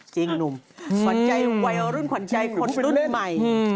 จริงหนุ่มขวานใจวัยรุ่นขวานใจคนรุ่นใหม่